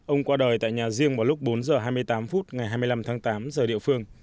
ông qua đời tại nhà riêng vào lúc bốn h hai mươi tám phút ngày hai mươi năm tháng tám giờ địa phương